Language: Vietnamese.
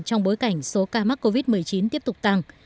trong bối cảnh số ca mắc covid một mươi chín tiếp tục tăng